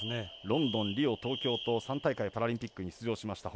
ロンドン、リオ、東京と３大会パラリンピックに出場しました